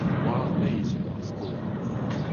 War ar maez emañ ar skol.